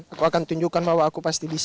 aku akan tunjukkan bahwa aku pasti bisa